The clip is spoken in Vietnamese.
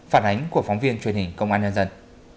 phản ánh của phóng viên truyền hình công an nhân dân